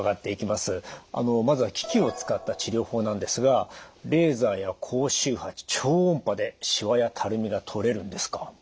まずは機器を使った治療法なんですがレーザーや高周波超音波でしわやたるみがとれるんですか？